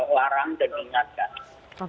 larang dan mengingatkan